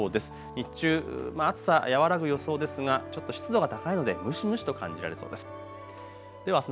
日中、暑さは和らぐ予想ですがちょっと湿度が高いので蒸し蒸しと感じられそうです。